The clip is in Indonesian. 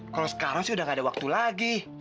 kalau sekarang sih udah gak ada waktu lagi